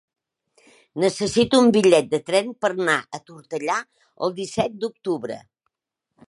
Necessito un bitllet de tren per anar a Tortellà el disset d'octubre.